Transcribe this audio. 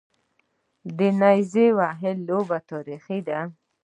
د نیزه وهلو لوبه تاریخي ده